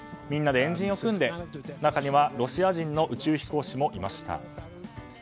みんなで円陣を組んで中にはロシア人の宇宙飛行士もいました。